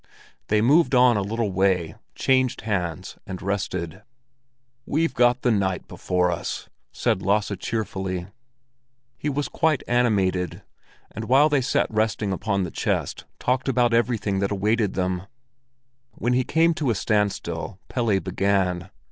They moved on a little way, changed hands, and rested. "We've got the night before us!" said Lasse cheerfully. He was quite animated, and while they sat resting upon the chest talked about everything that awaited them. When he came to a standstill Pelle began.